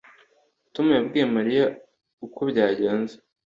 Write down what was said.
Tom yabwiye Mariya uko byagenze